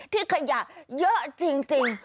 ที่ขยะเยอะจริง